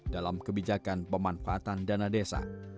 dalam kebijakan pemanfaatan dana desa